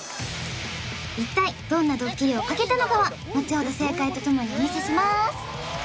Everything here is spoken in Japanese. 一体どんなドッキリをかけたのかはのちほど正解とともにお見せしまーす